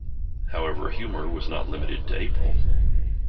However humor was not limited to April.